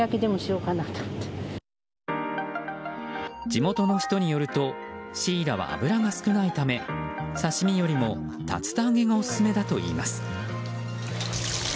地元の人によるとシイラは脂が少ないため刺し身よりも竜田揚げがオススメだといいます。